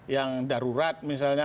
yang darurat misalnya